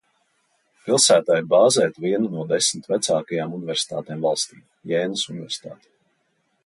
Pilsētā ir bāzēta viena no desmit vecākajām universitātēm valstī – Jēnas universitāte.